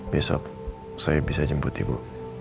besok saya bisa jemput ibu